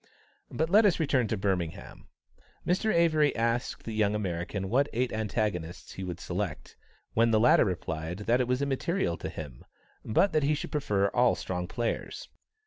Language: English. But let us return to Birmingham. Mr. Avery asked the young American what eight antagonists he would select; when the latter replied that it was immaterial to him, but that he should prefer all strong players.